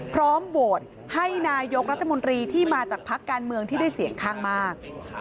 พร้อมโหวตให้นายกรัฐมนตรีที่มาจากพักการเมืองที่ได้เสียงข้างมาก